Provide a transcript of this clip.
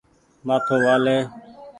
مآٿو وآ لي ۔